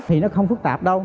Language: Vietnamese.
thì nó không phức tạp đâu